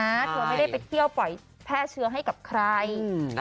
เธอไม่ได้ไปเที่ยวปล่อยแพร่เชื้อให้กับใคร